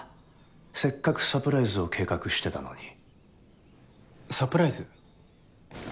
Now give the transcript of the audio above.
せっかくサプライズを計画してたのにサプライズ？